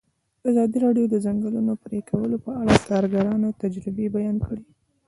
ازادي راډیو د د ځنګلونو پرېکول په اړه د کارګرانو تجربې بیان کړي.